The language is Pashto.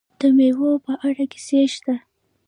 د میوو په اړه کیسې شته.